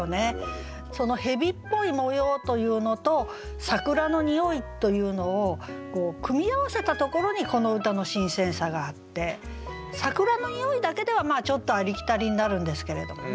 その「蛇っぽい模様」というのと「桜の匂い」というのを組み合わせたところにこの歌の新鮮さがあって「桜の匂い」だけではちょっとありきたりになるんですけれどもね。